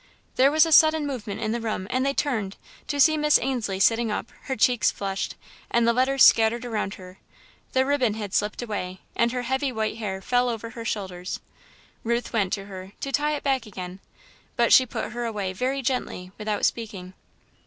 There was a sudden movement in the room and they turned, to see Miss Ainslie sitting up, her cheeks flushed, and the letters scattered around her. The ribbon had slipped away, and her heavy white hair fell over her shoulders. Ruth went to her, to tie it back again, but she put her away, very gently, without speaking.